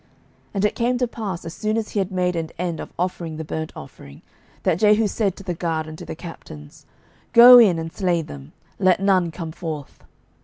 12:010:025 And it came to pass, as soon as he had made an end of offering the burnt offering, that Jehu said to the guard and to the captains, Go in, and slay them; let none come forth.